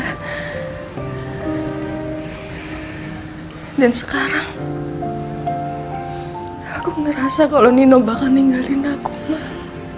hai dan sekarang aku ngerasa kalau nino bakalan ninggalin aku mah